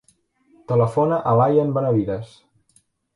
Telefona a l'Ayaan Benavides.